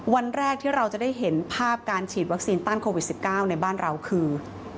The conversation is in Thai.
วันแรกที่เราจะได้เห็นภาพการฉีดวัคซีนต้านโควิด๑๙ในบ้านเราคือ